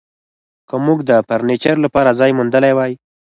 که موږ د فرنیچر لپاره ځای موندلی وای